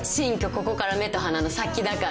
ここから目と鼻の先だから。